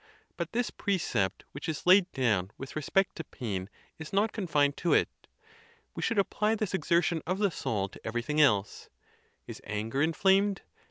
But this precept which is laid down with re spect to pain is not confined to it. We should apply this exertion of the soul to everything else. Is anger in flamed?